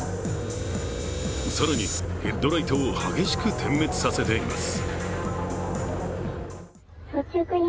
更に、ヘッドライトを激しく点滅させています。